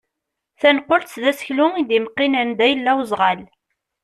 Tanqelt d aseklu i d-imeqqin anda yella uzɣal.